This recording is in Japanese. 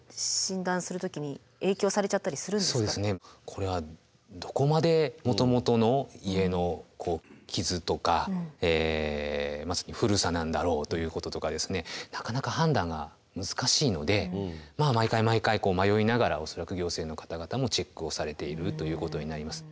これはどこまでもともとの家の傷とか古さなんだろうということとかなかなか判断が難しいのでまあ毎回毎回迷いながら恐らく行政の方々もチェックをされているということになります。